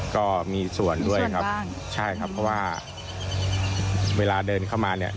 ก็มีส่วนด้วยครับใช่ครับเพราะว่าเวลาเดินเข้ามาเนี่ย